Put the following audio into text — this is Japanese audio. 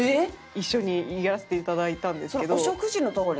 一緒にやらせていただいたんですけど。